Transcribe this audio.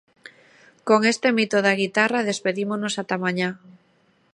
Con este mito da guitarra despedímonos ata mañá.